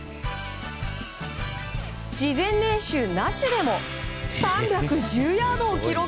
事前練習なしでも３１０ヤードを記録。